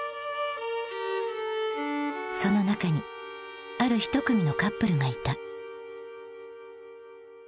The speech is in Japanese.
その中にある一組のカップルがいた。